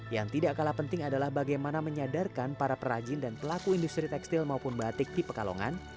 yang tidak kalah penting adalah bagaimana menyadarkan para perajin dan pelaku industri tekstil maupun batik di pekalongan